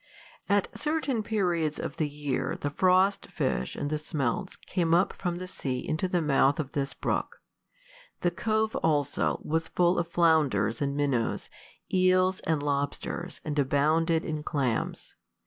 At certain periods of the year the frost fish and the smelts came up from the sea into the mouth of this brook. The cove, also, was full of flounders and minnows, eels and lobsters, and abounded in clams.